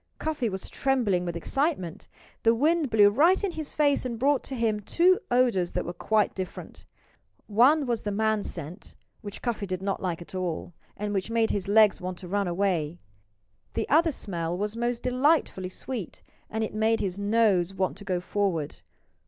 Cuffy was trembling with excitement. The wind blew right in his face and brought to him two odors that were quite different. One was the man scent, which Cuffy did not like at all, and which made his legs want to run away. The other smell was most delightfully sweet. And it made his nose want to go forward.